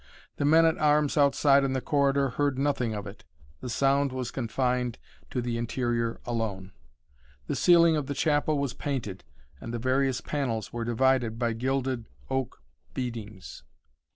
The men at arms outside in the corridor heard nothing of it. The sound was confined to the interior alone. The ceiling of the chapel was painted, and the various panels were divided by gilded oak beadings.